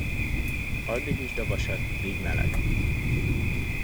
Addig üsd a vasat, míg meleg.